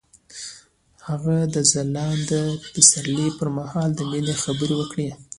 هغه د ځلانده پسرلی پر مهال د مینې خبرې وکړې.